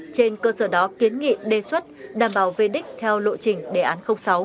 trên cơ sở đó kiến nghị đề xuất đảm bảo về đích theo lộ trình đề án sáu